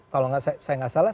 kalau saya tidak salah